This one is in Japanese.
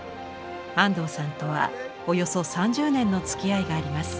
安藤さんとはおよそ３０年のつきあいがあります。